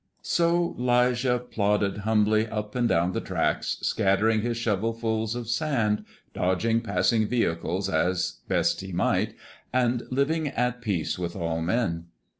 So 'Lijah plodded humbly up and down the tracks, scattering his shovelfuls of sand, dodging passing vehicles as he best might, and living at peace with all men.